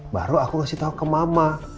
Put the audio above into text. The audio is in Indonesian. baru aku kasih tahu ke mama